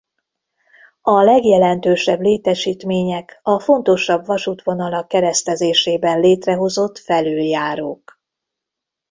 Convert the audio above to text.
A legjelentősebb létesítmények a fontosabb vasútvonalak keresztezésében létrehozott felüljárók.